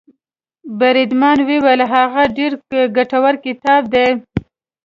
بریدمن وویل هغه ډېر ګټور کتاب دی.